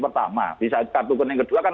pertama di kartu kuning kedua kan